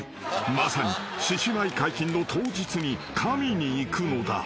［まさに獅子舞解禁の当日にかみに行くのだ］